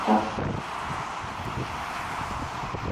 სოფლის ჩრდილოეთით, ჭირით დაღუპულთა ხსოვნის პატივსაცემად სვეტი აღიმართა.